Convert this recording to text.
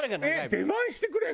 出前してくれるの？